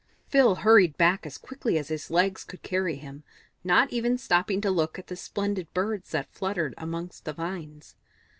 Phil hurried back as quickly as his legs could carry him, not even stopping to look at the splendid Birds that fluttered amongst the vines.